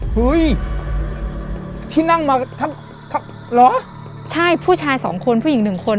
เฮ้ยที่นั่งมาทั้งเหรอใช่ผู้ชายสองคนผู้หญิงหนึ่งคน